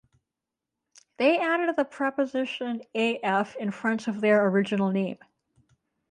They added the preposition "af" in front of their original name.